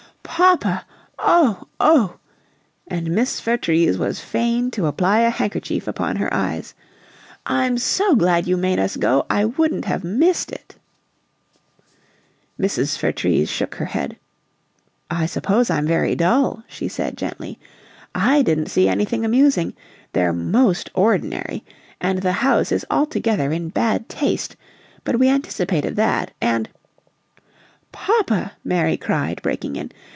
"Papa! Oh, oh!" And Miss Vertrees was fain to apply a handkerchief upon her eyes. "I'm SO glad you made us go! I wouldn't have missed it " Mrs. Vertrees shook her head. "I suppose I'm very dull," she said, gently. "I didn't see anything amusing. They're most ordinary, and the house is altogether in bad taste, but we anticipated that, and " "Papa!" Mary cried, breaking in.